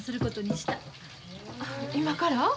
今から？